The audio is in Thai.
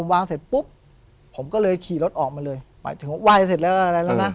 วางเสร็จปุ๊บผมก็เลยขี่รถออกมาเลยหมายถึงว่าไหว้เสร็จแล้วอะไรแล้วนะ